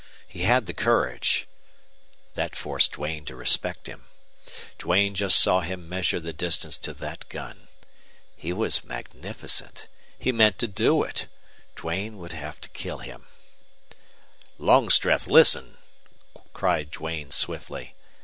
He had the courage that forced Duane to respect him. Duane just saw him measure the distance to that gun. He was magnificent. He meant to do it. Duane would have to kill him. "Longstreth, listen," cried Duane, swiftly.